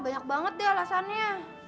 banyak banget deh alasannya